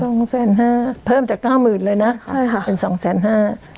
สองแสนห้าเพิ่มจากเก้าหมื่นเลยนะใช่ค่ะเป็นสองแสนห้า